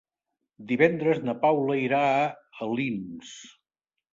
Divendres na Paula irà a Alins.